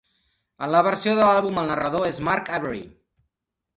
En la versió de l'àlbum el narrador és Mark Avery.